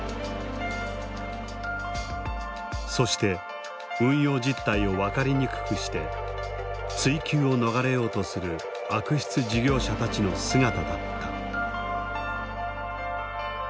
そして運用実態を分かりにくくして追及を逃れようとする悪質事業者たちの姿だった。